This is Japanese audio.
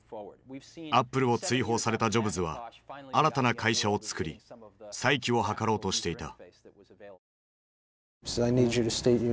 アップルを追放されたジョブズは新たな会社をつくり再起を図ろうとしていた。